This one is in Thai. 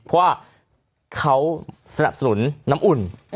เพราะว่าเขาสนับสนุนน้ำอุ่น